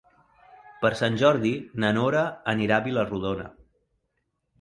Per Sant Jordi na Nora anirà a Vila-rodona.